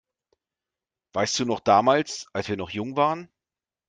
Weißt du noch damals, als wir noch jung waren?